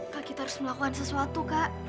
kak kita harus melakukan sesuatu kak